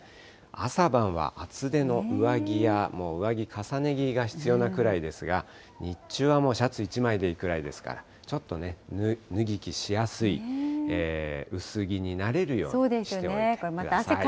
朝晩は厚手の上着や、上着、重ね着が必要なくらいですが、日中はもう、シャツ１枚でいいくらいですから、ちょっとね、脱ぎ着しやすい、薄着になれるようにしておいてください。